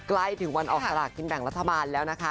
ใกล้ถึงวันออกสลากกินแบ่งรัฐบาลแล้วนะคะ